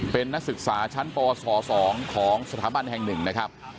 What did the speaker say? เป็นนักศึกษาชั้นป๒ของสถาบันแห่งหนึ่งนะครับ